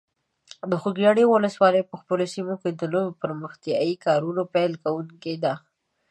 د خوږیاڼي ولسوالۍ په خپله سیمه کې د نویو پرمختیایي کارونو پیل کوونکی ده.